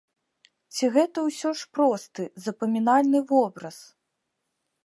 Ці гэта ўсё ж просты, запамінальны вобраз?